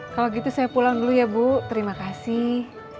kalau gitu saya pulang dulu ya bu terima kasih